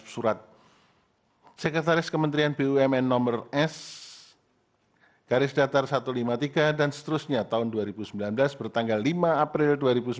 surat sekretaris kementerian bumn nomor s garis datar satu ratus lima puluh tiga dan seterusnya tahun dua ribu sembilan belas bertanggal lima april dua ribu sembilan belas